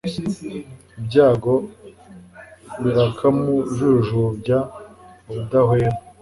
ibyago birakamujujubya ubudahwema